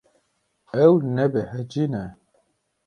Ew nebehecî ne.